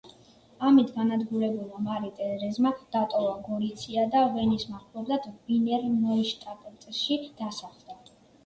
ამით განადგურებულმა მარი ტერეზმა დატოვა გორიცია და ვენის მახლობლად, ვინერ-ნოიშტადტში დასახლდა.